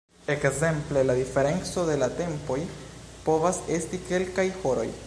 Ekzemple la diferenco de la tempoj povas esti kelkaj horoj.